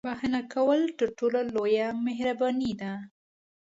• بښنه کول تر ټولو لویه مهرباني ده.